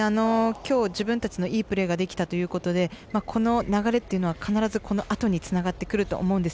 きょう、自分たちのプレーができたということでこの流れは必ずあとにつながってくると思います。